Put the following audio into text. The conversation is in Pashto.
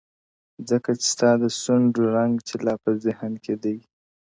ځکه چي ستا د سونډو رنگ چي لا په ذهن کي دی!